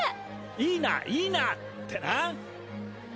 いいないいな！ってな！